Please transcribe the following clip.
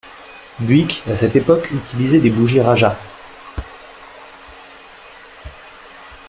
Buick à cette époque utilisait des bougies Rajah.